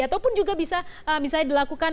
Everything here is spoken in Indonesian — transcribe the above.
atau pun juga bisa misalnya dilakukan